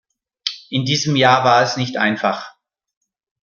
In diesem Jahr war es nicht einfach.